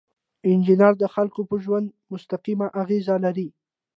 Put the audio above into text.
انجینر د خلکو په ژوند مستقیمه اغیزه لري.